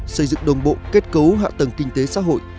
xây dựng đồng bộ kết cấu hạ tầng kinh tế xã hội